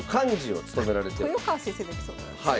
あっ豊川先生のエピソードなんですね。